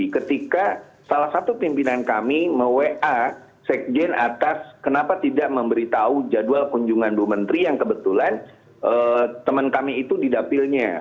ketika salah satu pimpinan kami me wa sekjen atas kenapa tidak memberitahu jadwal kunjungan bu menteri yang kami menjalankan